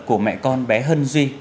của mẹ con bé hân duy